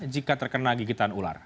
jika terkena gigitan ular